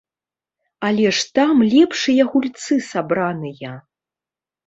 Але ж там лепшыя гульцы сабраныя!